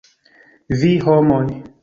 Vi, homoj!